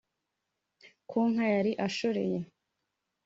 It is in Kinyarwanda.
ku nka yari ashoreye.